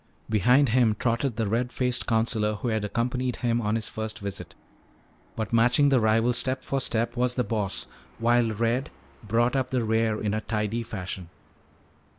Behind him trotted the red faced counselor who had accompanied him on his first visit. But matching the rival step for step was the "Boss," while "Red" brought up the rear in a tidy fashion.